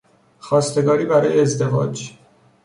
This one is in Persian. خواستگاری برای ازدواج